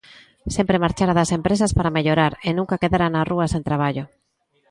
Sempre marchara das empresas para mellorar e nunca quedara na rúa sen traballo.